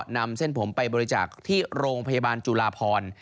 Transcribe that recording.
นำเส้นผมไปบริจาคที่โรงพยาบาลจุลาพร